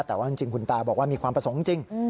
แต่ว่าจริงคุณตาบอกว่ามีความประสงค์จริง